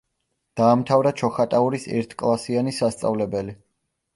დაამთავრა ჩოხატაურის ერთკლასიანი სასწავლებელი.